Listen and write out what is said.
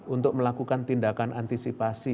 untuk melakukan tindakan antisipasi